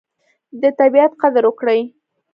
د طبیعت قدر وکړئ.